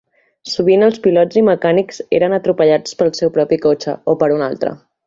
Sovint, els pilots i mecànics eren atropellats pel seu propi cotxe o per un altre.